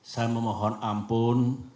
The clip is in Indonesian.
saya memohon ampun